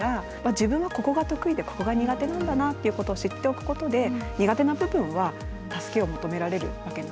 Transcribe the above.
自分はここが得意でここが苦手なんだなっていうことを知っておくことで苦手な部分は助けを求められるわけなので。